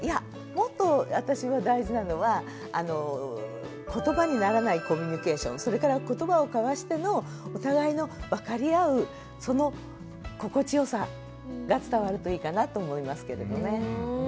もっと私は大事なのはことばにならないコミュニケーションそれからことばを交わしてのお互いの分かり合うその心地よさが伝わるといいかなと思いますけれどね。